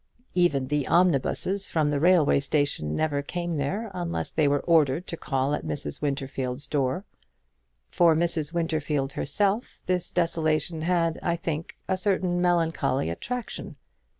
Even the omnibuses from the railway station never came there unless they were ordered to call at Mrs. Winterfield's door. For Mrs. Winterfield herself, this desolation had, I think, a certain melancholy attraction.